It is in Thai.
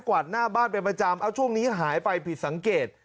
วาดหน้าบ้านเป็นประจำเอาช่วงนี้หายไปผิดสังเกต